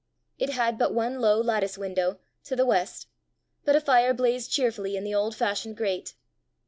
It had but one low lattice window, to the west, but a fire blazed cheerfully in the old fashioned grate.